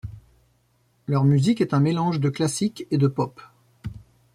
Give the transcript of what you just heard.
Leur musique est un mélange de classique et de pop.